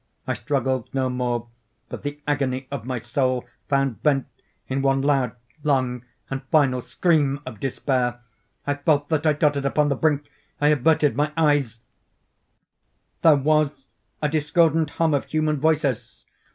I struggled no more, but the agony of my soul found vent in one loud, long, and final scream of despair. I felt that I tottered upon the brink—I averted my eyes— There was a discordant hum of human voices!